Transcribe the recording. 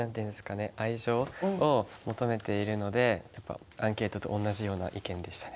愛情を求めているのでやっぱアンケートと同じような意見でしたね。